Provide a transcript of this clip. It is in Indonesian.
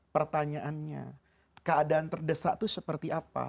pertanyaannya keadaan terdesak itu seperti apa